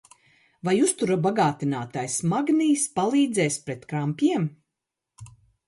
Vai uztura bag?tin?t?js magnijs pal?dz?s pret krampjiem?